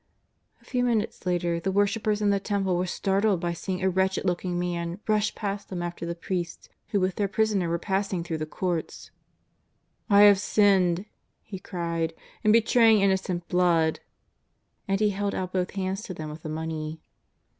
A few minutes later the worshippers in the Temple were startled by seeing a wretched looking man rush past them after the priests, who with their Prisoner were passing through the Courts. '' I have sinned/' he cried, '' in betraying innocent blood,'' and he held out both hands to them with the money.